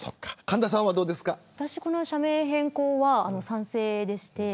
私、社名変更は賛成でして。